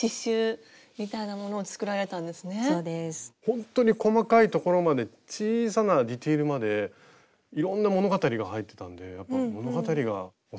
ほんとに細かいところまで小さなディテールまでいろんな物語が入ってたんでやっぱ物語がお好きなんですね。